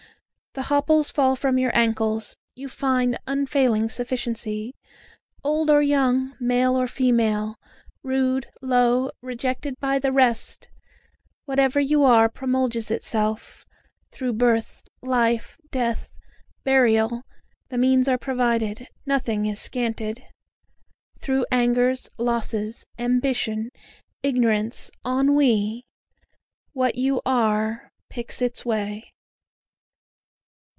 The hopples fall from your ankles you find an unfailing sufficiency; Old or young, male or female, rude, low, rejected by the rest, whatever you are promulgates itself; Through birth, life, death, burial, the means are provided, nothing is scanted; Through angers, losses, ambition, ignorance, ennui, what you are picks its way.